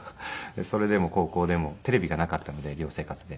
それでも高校でもテレビがなかったので寮生活で。